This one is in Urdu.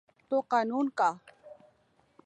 تو قانون کا۔